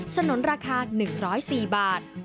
สนุนราคา๑๐๔บาท